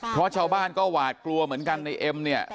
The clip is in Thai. เพราะชาวบ้านก็หวาดกลัวเหมือนกันในเอ็มเนี่ย